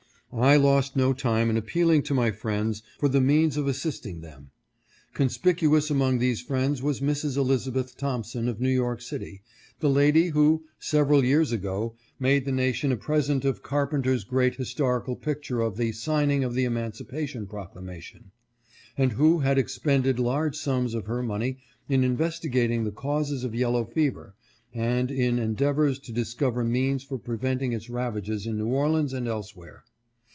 I lost no time in ap pealing to my friends for the means of assisting them. Conspicuous among these friends was Mrs. Elizabeth Thompson of New York city — the lady who, several years ago, made the nation a present of Carpenter's great his torical picture of the " Signing of the Emancipation Proc lamation," and who had expended large sums of her money in investigating the causes of yellow fever, and in endeavors to discover means for preventing its ravages in New Orleans and elsewhere.